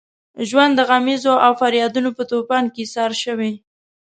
ژوند د غمیزو او فریادونو په طوفان کې ایسار شوی.